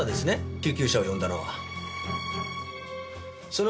救急車を呼んだのは。